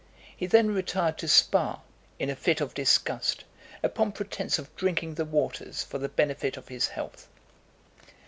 He then retired to Spa, in a fit of disgust, upon pretence of drinking the waters for the benefit of his health.